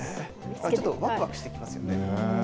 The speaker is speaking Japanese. ちょっとわくわくしてきますよね。